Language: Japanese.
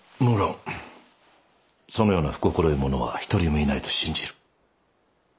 無論そのような不心得者は一人もいないと信じる。